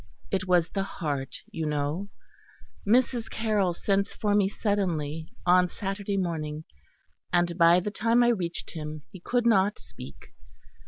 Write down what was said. It was the heart, you know. Mrs. Carroll sent for me suddenly, on Saturday morning; and by the time I reached him he could not speak.